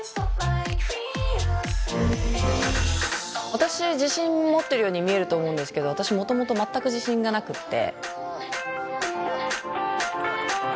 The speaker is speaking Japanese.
私自信持ってるように見えると思うんですけど私もともと全く自信がなくって。